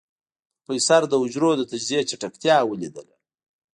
پروفيسر د حجرو د تجزيې چټکتيا وليدله.